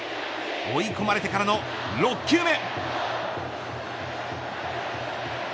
追い込まれてからの６球目。